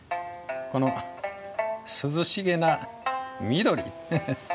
この涼しげな緑。